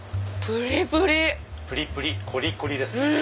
プリプリコリコリですよね。